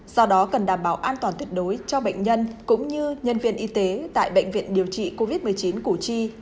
do đó cần đảm bảo an toàn tuyệt đối cho bệnh nhân cũng như nhân viên y tế tại bệnh viện điều trị covid một mươi chín củ chi